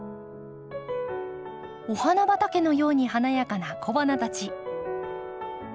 お花畑のように華やかな小花たち。